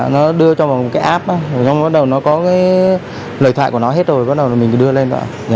nó đưa cho vào một cái app bắt đầu nó có lời thoại của nó hết rồi bắt đầu mình đưa lên